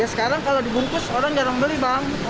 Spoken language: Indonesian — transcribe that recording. sekarang kalau dibungkus orang jarang beli bang